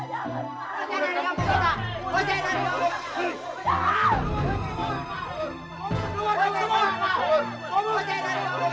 kabur kabur kabur kabur kabur kabur kabur kabur kabur kabur kabur kabur kabur kabur kabur